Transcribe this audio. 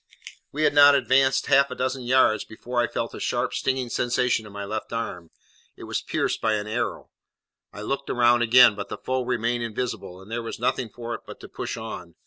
We had not advanced half a dozen yards before I felt a sharp stinging sensation in my left arm; it was pierced by an arrow. I looked round again, but the foe remained invisible, and there was nothing for it but to push on.